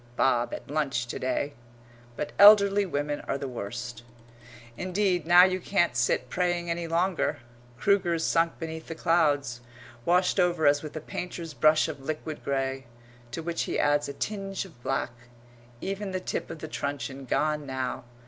"Bob at lunch to day" But elderly women are the worst. Indeed now you can't sit praying any longer. Kruger's sunk beneath the clouds washed over as with a painter's brush of liquid grey, to which he adds a tinge of black even the tip of the truncheon gone now.